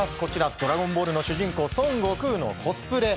「ドラゴンボール」の主人公孫悟空のコスプレ。